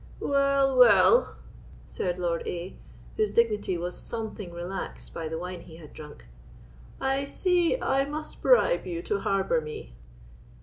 "Well—well!" said Lord A——, whose dignity was something relaxed by the wine he had drunk, "I see I must bribe you to harbour me.